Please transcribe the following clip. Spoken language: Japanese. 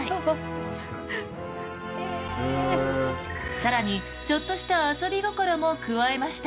更にちょっとした遊び心も加えました。